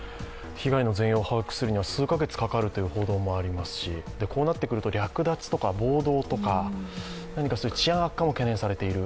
被害の全容を把握するには数か月かかるという報道もありますしこうなってくると略奪とか暴動とか、何か治安悪化も懸念されている。